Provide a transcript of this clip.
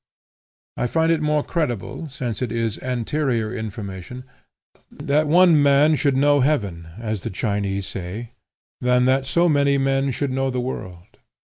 I find it more credible, since it is anterior information, that one man should know heaven, as the Chinese say, than that so many men should know the world.